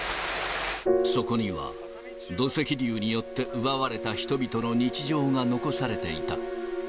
そこには土石流によって奪われた人々の日常が残されていた。